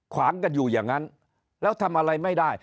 ขวางกันอยู่อย่างนั้นแล้วทำอะไรไม่ได้